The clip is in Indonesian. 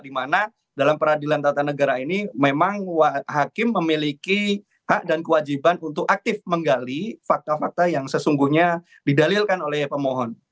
di mana dalam peradilan tata negara ini memang hakim memiliki hak dan kewajiban untuk aktif menggali fakta fakta yang sesungguhnya didalilkan oleh pemohon